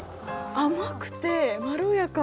甘くて、まろやか。